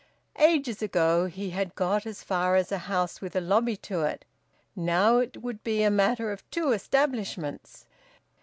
Ages ago he had got as far as a house with a lobby to it. Now, it would be a matter of two establishments.